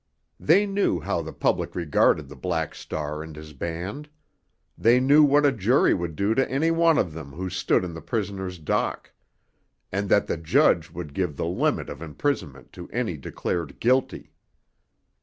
They knew how the public regarded the Black Star and his band; they knew what a jury would do to any one of them who stood in the prisoner's dock, and that the judge would give the limit of imprisonment to any declared guilty.